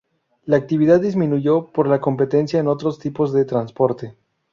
La actividad disminuyó por la competencia con otros tipos de transporte.